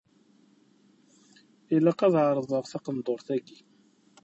Ilaq ad ɛerḍeɣ taqendurt-ayi.